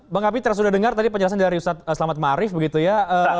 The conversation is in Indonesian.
bang kapiter sudah dengar tadi penjelasan dari ustadz selamat ma'rif begitu ya